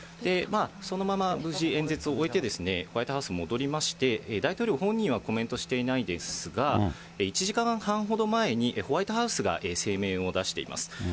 そのまま無事演説を終えて、ホワイトハウスに戻りまして、大統領本人はコメントしていないですが、１時間半ほど前にホワイトハウスが声明を出しています。